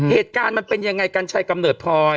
เหตุการณ์มันเป็นไงกันใช้กรรมเนิดพลอย